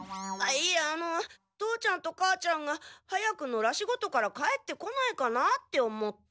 いえあの父ちゃんと母ちゃんが早く野良仕事から帰ってこないかなって思って。